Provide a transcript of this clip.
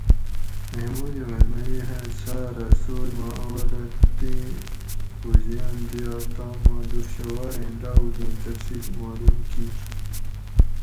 محمود غزنوی ھہ ساۤرہ سوئ ما اولہ تیں فوجیان دیا تام ما دُر شھواریں ڈاوُگیں تفصیل معلوم کِیر